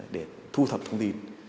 để thu thập thông tin